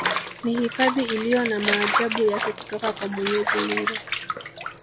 Ni hifadhi iliyo na maajabu yake kutoka kwa mwenyezi Mungu